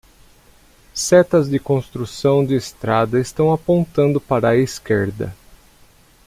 Setas de construção de estrada estão apontando para a esquerda